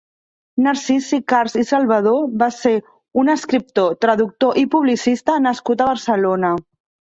Narcís Sicars i Salvadó va ser un escriptor, traductor i publicista nascut a Barcelona.